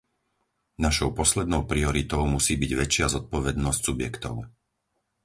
Našou poslednou prioritou musí byť väčšia zodpovednosť subjektov.